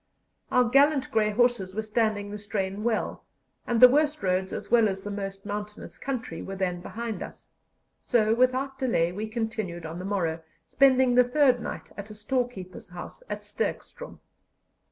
Our gallant grey horses were standing the strain well, and the worst roads as well as the most mountainous country were then behind us; so, without delay, we continued on the morrow, spending the third night at a storekeeper's house at Sterkstrom.